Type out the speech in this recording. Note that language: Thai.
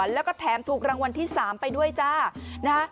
แล้วก็แถมถูกรางวัลที่๓ไปด้วยจ้านะ